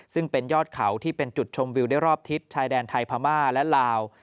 ซึ่งเป็นยอดเขาที่เป็นจุดชมวิวได้รอบทิศชายแดนไทยพม่าและลาว